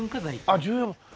あっ重要。